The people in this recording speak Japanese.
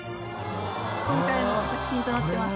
今回の作品となってます。